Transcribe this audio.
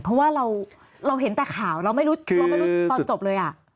เพราะว่าเราเห็นแต่ข่าวเราไม่รู้ตอนจบเลยอ่ะ